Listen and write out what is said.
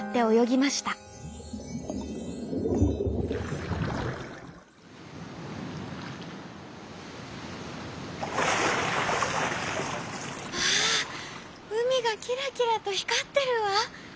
「まあうみがキラキラとひかってるわ！